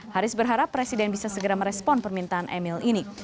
haris berharap presiden bisa segera merespon permintaan emil ini